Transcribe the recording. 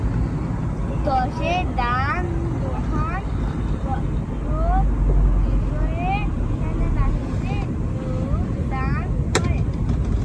ত্শে-দ্বাং-ল্হুন-গ্রুব কৈশোরে সেনাবাহিনীতে যোগদান করেন।